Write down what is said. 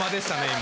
今・・